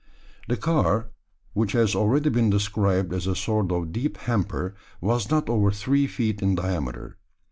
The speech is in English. The car, which has already been described as a sort of deep hamper, was not over three feet in diameter.